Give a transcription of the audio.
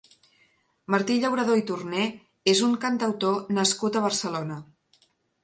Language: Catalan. Martí Llauradó i Torné és un cantautor nascut a Barcelona.